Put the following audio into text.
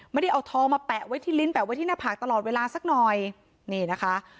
ไม่ได้เอาทองมาแปะไว้ที่ลิ้นแปะไว้ที่หน้าผากตลอดเวลาสักหน่อยนี่นะคะ